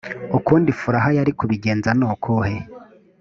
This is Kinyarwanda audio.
ukundi farah yari kubigenza ni ukuhe